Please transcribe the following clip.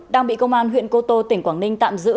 đang bị công an huyện cô tô tỉnh quảng ninh tạm giữ